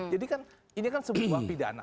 jadi kan ini kan sebuah pidana